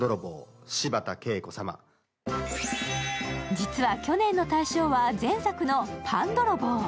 実は去年の大賞は前作の「パンどろぼう」。